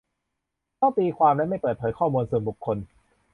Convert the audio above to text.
ต้องตีความ และ ไม่เปิดเผยข้อมูลส่วนบุคคล